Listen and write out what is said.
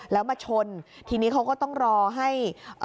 แล้วมาชนทีนี้เขาก็ต้องรอให้